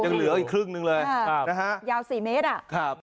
ยังเหลืออีกครึ่งหนึ่งเลยครับนะฮะยาวสี่เมตรอ่ะครับ